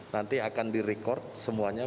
nanti akan direkord semuanya